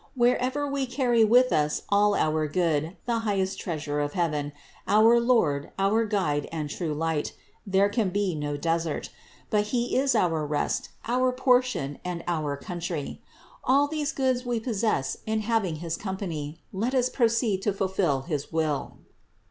Wherever we carry with us all our Good, the highest treasure of heaven, 522 CITY OF GOD our Lord, our guide and true light, there can be no desert ; but He is our rest, our portion, and our country. All these goods we possess in having his company; let us proceed to fulfill his will."